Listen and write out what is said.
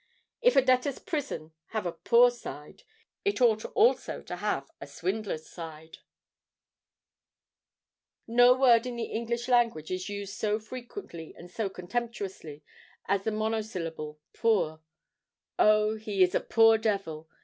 If a debtors' prison have a Poor Side, it ought also to have a Swnidlers' Side. No word in the English language is used so frequently and so contemptuously as the monosyllable Poor. "Oh! he is a poor devil!"